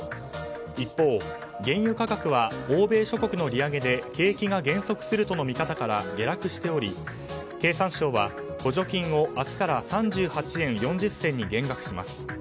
一方、原油価格は欧米諸国の利上げで景気が減速するとの見方から下落しており経産省は、補助金を明日から３８円４０銭に減額します。